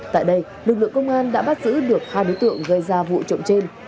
tại đây lực lượng công an đã bắt giữ được hai đối tượng gây ra vụ trộm trên